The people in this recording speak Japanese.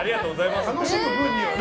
楽しむ分にはね。